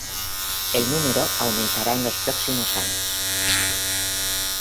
El número aumentará en los próximos años.